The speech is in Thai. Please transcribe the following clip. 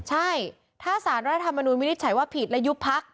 ใช่ถ้าสารรัฐธรรมนูญไม่ได้ใช้ว่าผิดและยุบพัก